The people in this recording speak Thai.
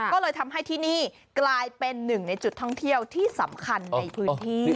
ก็เลยทำให้ที่นี่กลายเป็นหนึ่งในจุดท่องเที่ยวที่สำคัญในพื้นที่